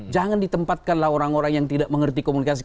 jangan ditempatkanlah orang orang yang tidak mengerti komunikasi